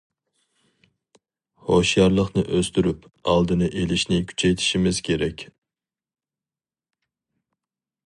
ھوشيارلىقنى ئۆستۈرۈپ، ئالدىنى ئېلىشنى كۈچەيتىشىمىز كېرەك.